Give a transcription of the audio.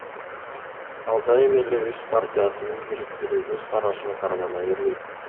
Ал дайым эле өз партиясынын бирдиктүү көз карашын кармана бербейт.